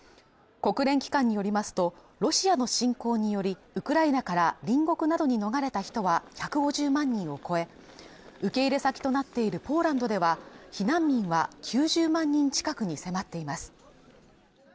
国連機関によりますとロシアの侵攻によりウクライナから隣国などに逃れた人は１５０万人を超え受け入れ先となっているポーランドでは避難民は９０万人近くに迫っています